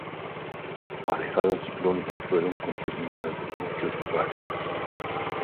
Marejadas ciclónicas fueron confirmadas en muchos lugares.